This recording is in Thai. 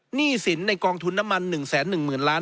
หนี้สินในกองทุนน้ำมัน๑๑๐๐๐ล้าน